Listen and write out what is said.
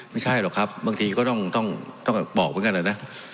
ไม่ใช่หรอกครับบางทีก็ต้องบอกเหมือนกันนะ